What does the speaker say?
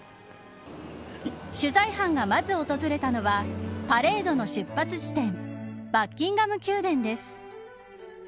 取材班がまず訪れたのはパレードの出発地点バッキンガム宮殿です